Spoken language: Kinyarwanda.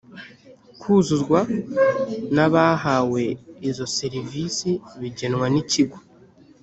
kuzuzwa n abahawe izo serivisi bigenwa n ikigo